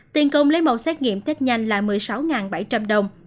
tiền công lấy màu xét nghiệm thích nhanh là một mươi sáu bảy trăm linh đồng